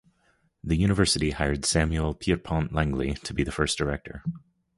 The University hired Samuel Pierpont Langley to be the first director.